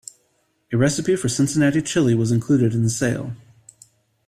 A recipe for Cincinnati chili was included in the sale.